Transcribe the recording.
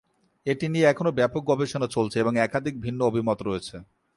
এটি নিয়ে এখনও ব্যাপক গবেষণা চলছে এবং একাধিক ভিন্ন অভিমত রয়েছে।